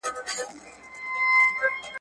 بل موږك سو د جرگې منځته ور وړاندي.